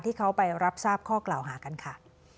ที่เขาไปรับทราบข้อกล่าวหากันค่ะ